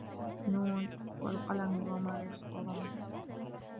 ن وَالْقَلَمِ وَمَا يَسْطُرُونَ